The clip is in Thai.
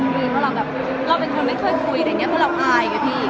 เพราะเราเป็นคนไม่เคยคุยเพราะเราอายกับพี่